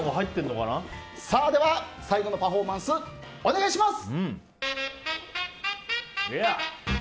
では、最後のパフォーマンスお願いします！